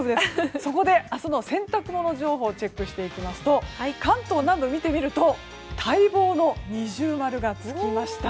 そこで明日の洗濯物情報をチェックしていきますと関東南部を見てみると待望の二重丸がつきました。